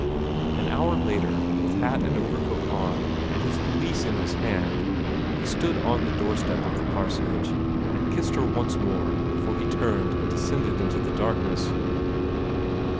An hour later, with hat and overcoat on, and his valise in his hand, he stood on the doorstep of the parsonage, and kissed her once more before he turned and descended into the darkness.